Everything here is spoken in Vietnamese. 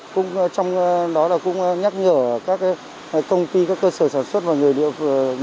cũng trong đó là cũng nhắc nhở các công ty các cơ sở sản xuất và người địa phương